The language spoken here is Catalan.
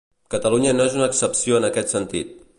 Catalunya no és una excepció en aquest sentit.